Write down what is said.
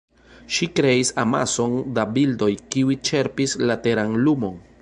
Ŝi kreis amason da bildoj, kiuj ĉerpis la teran lumon.